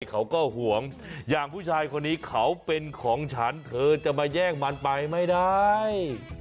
เขาก็ห่วงอย่างผู้ชายคนนี้เขาเป็นของฉันเธอจะมาแย่งมันไปไม่ได้